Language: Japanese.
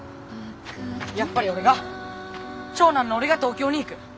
やっぱり俺が長男の俺が東京に行く！